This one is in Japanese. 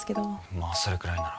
まあそれくらいなら。